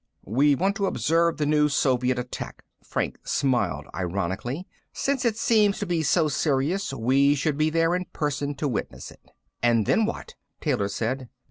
"We want to observe the new Soviet attack." Franks smiled ironically. "Since it seems to be so serious, we should be there in person to witness it." "And then what?" Taylor said.